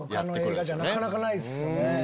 他の映画じゃなかなかないですよね。